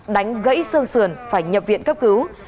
đánh gãy sơn sườn phải nhập viện cấp cứu